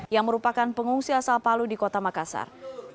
yang merupakan pengungsi asal palu di kota makassar